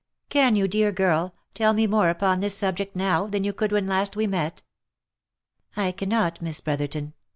Can you, dear girl ! tell me more upon this subject now, than you could when last we met?" " I cannot, Miss Brotherton!"